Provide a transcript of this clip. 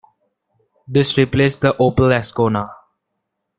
This replaced the Opel Ascona.